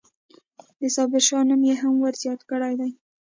د صابرشاه نوم یې هم ورزیات کړی دی.